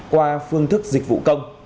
qua phương thức dịch vụ công